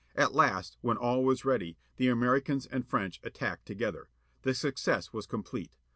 At last, when all was ready, the Americans and French attacked together. The success was complete.